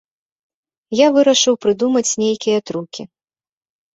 Я вырашыў прыдумаць нейкія трукі.